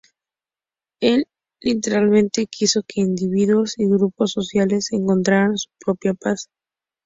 Él, literalmente, quiso que individuos y grupos sociales encontraran su voz propia.